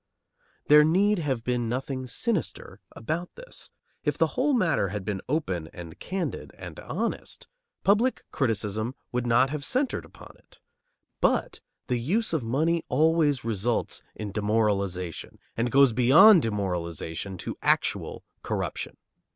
There need have been nothing sinister about this. If the whole matter had been open and candid and honest, public criticism would not have centred upon it. But the use of money always results in demoralization, and goes beyond demoralization to actual corruption.